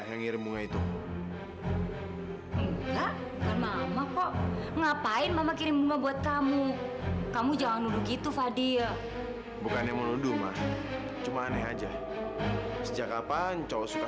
sampai jumpa di video selanjutnya